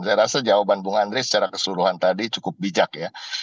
saya rasa jawaban bung andri secara keseluruhan tadi cukup bijak ya